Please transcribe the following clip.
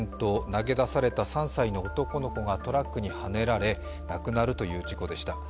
投げ出された３歳の男の子がトラックにはねられ亡くなるという事故でした。